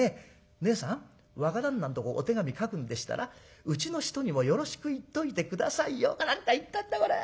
『ねえさん若旦那んとこお手紙書くんでしたらうちの人にもよろしく言っといて下さいよ』か何か言ったんだこれは。